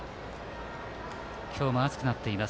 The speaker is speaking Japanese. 今日も暑くなっています。